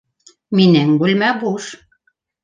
Минең бүлмә буш.